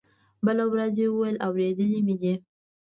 بله ورځ يې وويل اورېدلي مې دي.